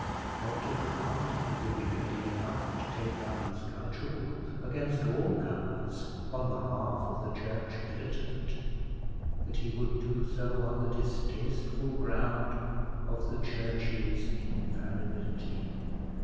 Dr Grantly would be ready enough to take up his cudgel against all comers on behalf of the church militant, but he would do so on the distasteful ground of the church's infallibility.